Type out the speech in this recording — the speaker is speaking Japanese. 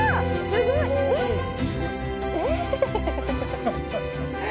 すごい！えっ！